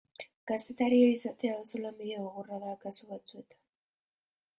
Kazetaria izatea oso lanbide gogorra da kasu batzuetan.